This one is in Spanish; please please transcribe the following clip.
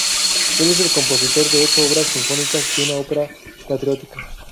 Él es compositor de ocho obras sinfónicas y una ópera patriótica.